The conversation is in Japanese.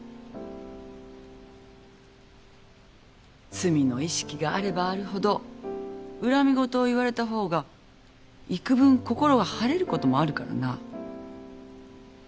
罪の意識があればあるほど恨み言を言われた方が幾分心が晴れることもあるからな。